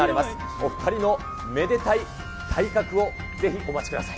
お２人のめでたい体格をぜひお待ちください。